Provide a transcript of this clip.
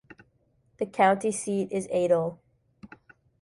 The county seat is Adel.